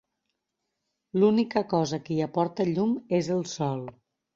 L'única cosa que hi aporta llum és el sol.